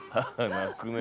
泣くね。